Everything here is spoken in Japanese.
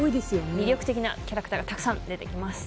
魅力的なキャラクターがたくさん出てきます。